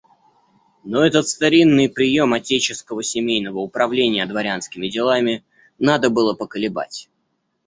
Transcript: Но этот старинный прием отеческого семейного управления дворянскими делами надо было поколебать.